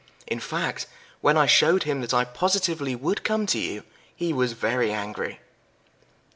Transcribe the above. In fact, when I showed him that I positively would come to you he was very angry."